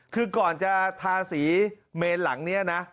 คือก่อนจะทาสีเมนหลังนี้นะ